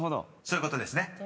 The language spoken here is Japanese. ［そういうことですね］